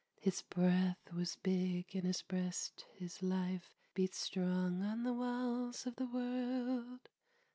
His breath was big in his breast, his life Beat strong on the walls of the world.